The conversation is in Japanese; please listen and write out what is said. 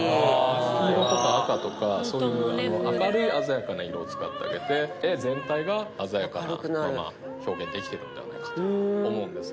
黄色とか赤とか明るい鮮やかな色を使ってあげて絵全体が鮮やかなまま表現できてるんではないかと思うんです。